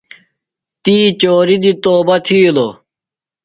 تی چوری دی توبہ تِھیلوۡ۔